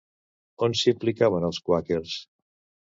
On s'implicaven els quàquers?